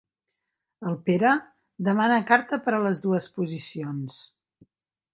El Pere demana carta per a les dues posicions.